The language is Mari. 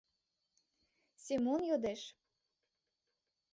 — Семон йодеш.